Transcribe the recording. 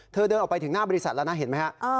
เธอเดินออกไปถึงหน้าบริษัทแล้วนะเห็นไหมฮะ